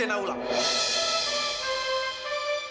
terima kasih dokter